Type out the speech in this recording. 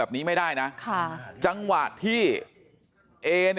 มันต้องการมาหาเรื่องมันจะมาแทงนะ